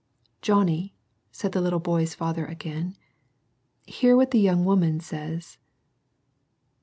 "" Johnny," said the Uttle boy's father again, " hear what the young woman says."